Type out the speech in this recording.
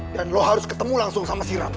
dan lu harus ketemu langsung sama si rama